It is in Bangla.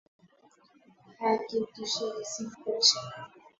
হ্যাঁ, কিন্তু সে রিসিভ করছে না।